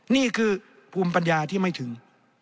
นี่คือภูมิปัญญาที่ไม่ถึง